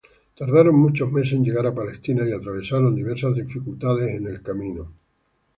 Tardaron muchos meses en llegar a Palestina y atravesaron diversas dificultades en el camino.